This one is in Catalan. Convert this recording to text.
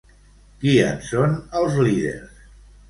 Qui en són els líders?